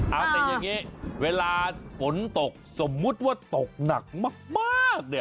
เอาแต่อย่างนี้เวลาฝนตกสมมุติว่าตกหนักมากเนี่ย